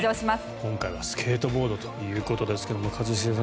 今回はスケートボードということですが一茂さん